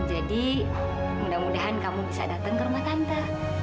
jadi mudah mudahan kamu bisa datang ke rumah tante